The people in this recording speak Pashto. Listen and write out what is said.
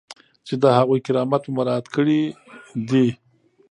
چې د هغوی کرامت مو مراعات کړی دی.